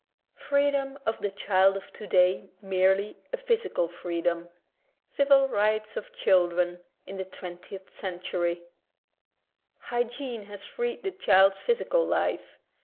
Freedom of the Child of Today Merely* a Physical Freedom — Civil Rights of Children in the Twentieth Century Hygiene has freed the child's physical life.